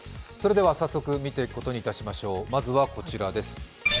早速、見ていくことにいたしましょう、まずはこちらです。